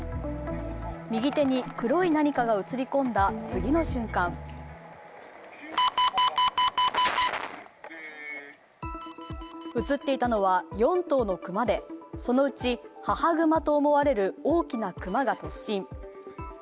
右手に黒い何かが映り込んだ次の瞬間映っていたのは４頭の熊でそのうち母熊と思われる大きな熊が突進。